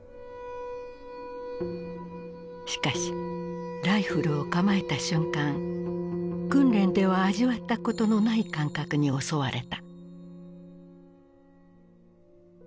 しかしライフルを構えた瞬間訓練では味わったことのない感覚に襲われた。